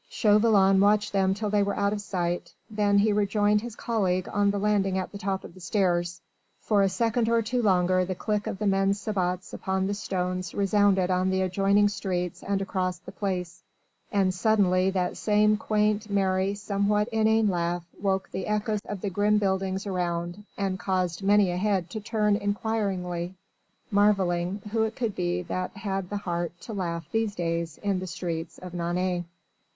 Chauvelin watched them till they were out of sight, then he rejoined his colleague on the landing at the top of the stairs. For a second or two longer the click of the men's sabots upon the stones resounded on the adjoining streets and across the Place, and suddenly that same quaint, merry, somewhat inane laugh woke the echoes of the grim buildings around and caused many a head to turn inquiringly, marvelling who it could be that had the heart to laugh these days in the streets of Nantes.